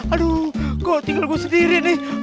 aduh gue tinggal gue sendiri nih